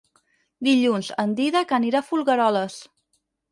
Dilluns en Dídac anirà a Folgueroles.